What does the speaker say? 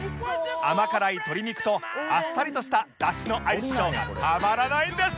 甘辛い鶏肉とあっさりとしたダシの相性がたまらないんです！